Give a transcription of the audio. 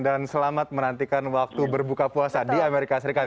dan selamat menantikan waktu berbuka puasa di amerika serikat